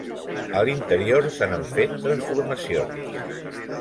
A l'interior se n'han fet transformacions.